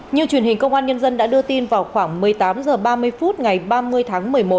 như truyền hình công an nhân dân đã đưa tin vào khoảng một mươi tám h ba mươi phút ngày ba mươi tháng một mươi một